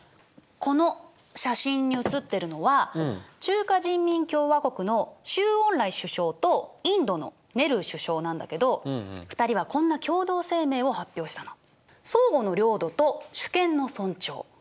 この写真に写ってるのは中華人民共和国の周恩来首相とインドのネルー首相なんだけど２人はこんな共同声明を発表したの。